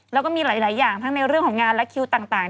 แล้วก็มีหลายอย่างทั้งในเรื่องของงานและคิวต่าง